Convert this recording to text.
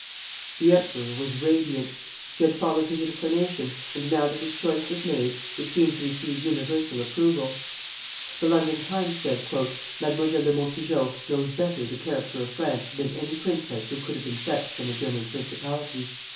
The emperor was radiant. He had followed his inclination, and now that his choice was made, it seemed to receive universal approval. The London "Times" said: "Mademoiselle de Montijo knows better the character of France than any princess who could have been fetched from a German principality.